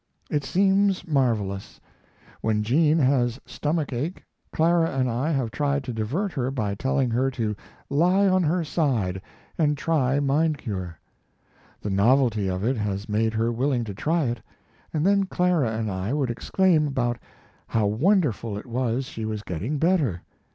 It seems marvelous. When Jean has stomack ache Clara and I have tried to divert her by telling her to lie on her side and try "mind cure." The novelty of it has made her willing to try it, and then Clara and I would exclaim about how wonderful it was she was getting better.